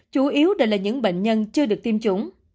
chủ yếu đều là những bệnh nhân chưa được tiêm chủng